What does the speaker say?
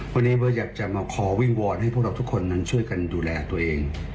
วันนี้เบิร์ตอยากจะมาขอวิงวอนให้พวกเราทุกคนนั้นช่วยกันดูแลตัวเอง